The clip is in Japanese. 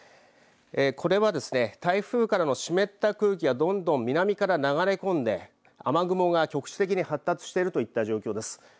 これはですね、台風からの湿った空気がどんどん南から流れ込んで雨雲が局地的に発達しているといった状況です。